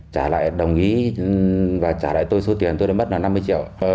trả lại đồng ý và trả lại tôi số tiền tôi đã mất là năm mươi triệu